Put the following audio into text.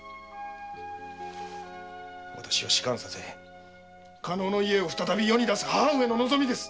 私を仕官させ加納の家を再び世に出す母上の望みです！